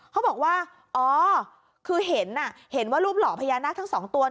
เขาบอกว่าอ๋อคือเห็นเห็นว่ารูปหล่อพญานาคทั้งสองตัว